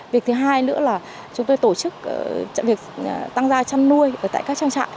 việc thứ hai nữa là chúng tôi tổ chức việc tăng ra chăn nuôi ở các trang trại